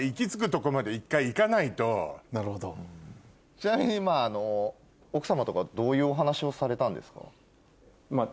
ちなみに今奥さまとかどういうお話をされたんですか？